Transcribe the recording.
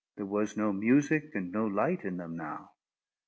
There was no music and no light in them now.